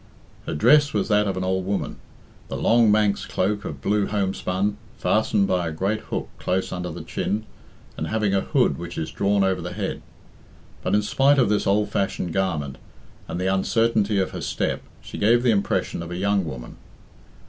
Her dress was that of an old woman the long Manx cloak of blue homespun, fastened by a great hook close under the chin, and having a hood which is drawn over the head. But in spite of this old fashioned garment, and the uncertainty of her step, she gave the impression of a young woman.